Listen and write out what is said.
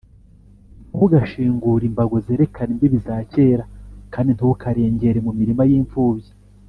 ntugashingure imbago zerekana imbibi za kera, kandi ntukarengēre mu mirima y’impfubyi,